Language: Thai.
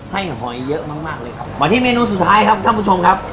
หอยเยอะมากมากเลยครับมาที่เมนูสุดท้ายครับท่านผู้ชมครับ